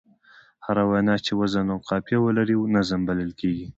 هره وينا چي وزن او قافیه ولري؛ نظم بلل کېږي.